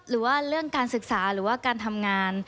หรือว่าเรื่องการศึกษาหรือว่าการทำงาน